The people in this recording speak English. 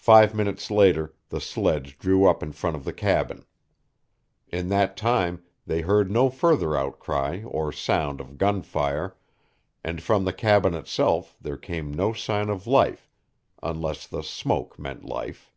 Five minutes later the sledge drew up in front of the cabin. In that time they heard no further outcry or sound of gunfire, and from the cabin itself there came no sign of life, unless the smoke meant life.